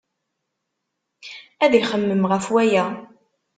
Ad ixemmem ɣef waya.